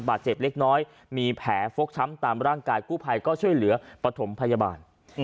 บาดเจ็บเล็กน้อยมีแผลฟกช้ำตามร่างกายกู้ภัยก็ช่วยเหลือปฐมพยาบาล